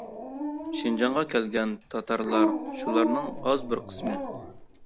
شىنجاڭغا كەلگەن تاتارلار شۇلارنىڭ ئاز بىر قىسمى.